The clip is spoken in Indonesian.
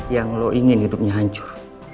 yang lo ingin hidupnya hancur